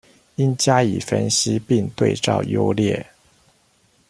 應加以分析並對照優劣